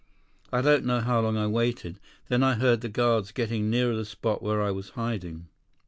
I don't know how long I waited. Then I heard the guards getting nearer the spot where I was hiding."